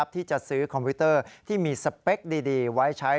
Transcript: ที่จะซื้อคอมพิวเตอร์ที่มีสเปคดีไว้ใช้